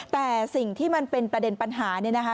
แต่สิ่งที่มันเป็นประเด็นปัญหาเนี่ยนะคะ